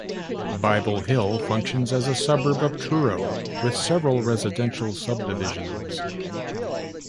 Bible Hill functions as a suburb of Truro with several residential subdivisions.